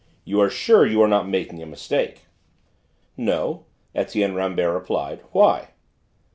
"You are sure you are not making a mistake?" "No," Etienne Rambert replied. "Why?"